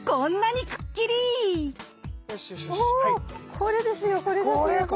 これですよこれですよこれ。